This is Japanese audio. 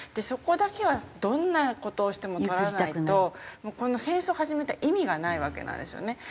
そこだけはどんな事をしても取らないとこの戦争を始めた意味がないわけなんですよね。